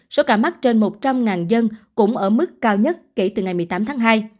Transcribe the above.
số ca mắc trên một trăm linh dân cũng ở mức cao nhất kể từ ngày một mươi tám tháng hai